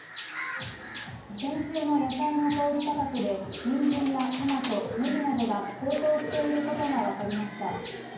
先週の野菜の小売価格でにんじんやトマトねぎなどが高騰していることが分かりました。